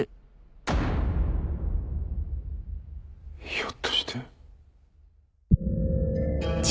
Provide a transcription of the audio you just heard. ひょっとして。